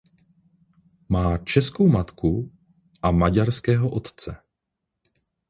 Má českou matku a maďarského otce.